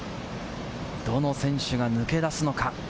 どの選手が抜け出すのか。